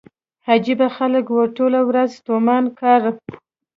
عجيبه خلک وو ټوله ورځ ستومانه کار.